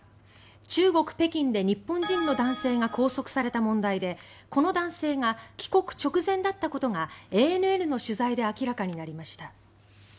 中国・北京で日本人の男性が拘束された問題でこの男性が帰国直前だったことがＡＮＮの取材で明らかになりました。